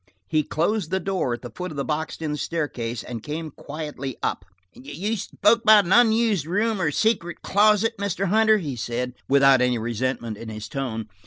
He closed the door at the foot of the boxed in staircase, and came quietly up. "You spoke about an unused room or a secret closet, Mr. Hunter," he said, without any resentment in his tone.